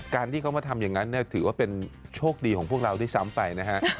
การที่เขามาทำอย่างนั้นถือว่าเป็นโชคดีของพวกเราด้วยซ้ำไปนะฮะ